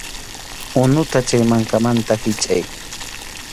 Unuta chay mankamanta hichʼay.